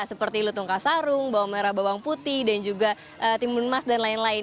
seperti lutung kasarung bawang merah bawang putih dan juga timun emas dan lain lain